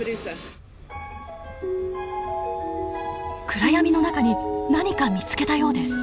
暗闇の中に何か見つけたようです。